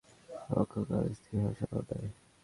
আমার পক্ষে কারো স্ত্রী হওয়া সম্ভব নয়।